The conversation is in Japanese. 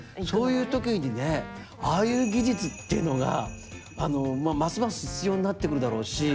そういう時にねああいう技術っていうのがますます必要になってくるだろうし。